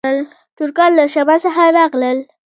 ترکان له شمال څخه راغلل